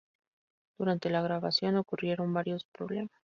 Durante la grabación ocurrieron varios problemas.